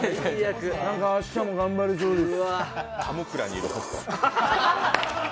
何か明日も頑張れそうです。